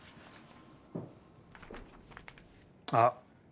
あっ。